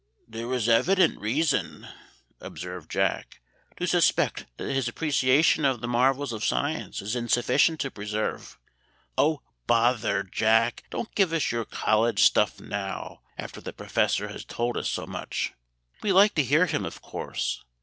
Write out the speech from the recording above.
"There is evident reason," observed Jack, "to suspect that his appreciation of the marvels of science is insufficient to preserve " "Oh, bother! Jack, don't give us your college stuff now, after the Professor has told us so much. We like to hear him, of course.